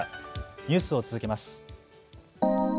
ニュースを続けます。